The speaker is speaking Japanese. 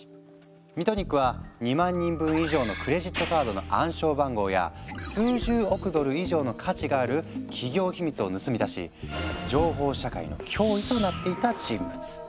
ミトニックは２万人分以上のクレジットカードの暗証番号や数十億ドル以上の価値がある企業秘密を盗み出し「情報社会の脅威」となっていた人物。